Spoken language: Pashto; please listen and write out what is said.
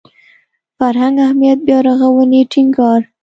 فرهنګ اهمیت بیارغاونې ټینګار